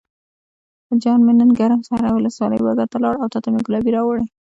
جان مې نن ګرم سر ولسوالۍ بازار ته لاړم او تاته مې ګلابي راوړې.